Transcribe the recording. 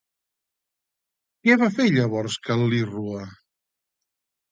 Què va fer llavors Cal·lírroe?